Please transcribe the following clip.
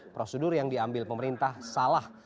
prosedur yang diambil pemerintah salah